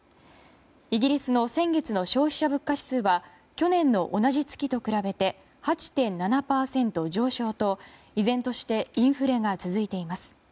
イギリスの先月の消費者物価指数は去年の同じ月と比べて８．７％上昇と依然としてインフレが続いています。